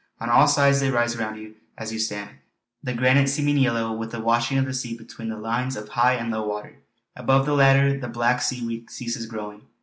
On all sides they rise round you as you stand, the granite seeming yellow with the washing of the sea between the lines of high and low water; above the latter the black seaweed ceases growing.